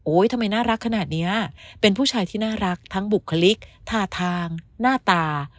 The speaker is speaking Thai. ทำไมน่ารักขนาดนี้เป็นผู้ชายที่น่ารักทั้งบุคลิกท่าทางหน้าตา